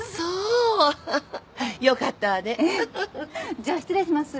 じゃあ失礼します。